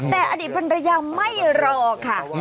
แต่อดีตภรรยาไม่รอค่ะ